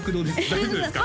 大丈夫ですか？